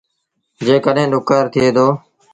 جيڪڏهيݩ ڏُڪآر ٿئي دو۔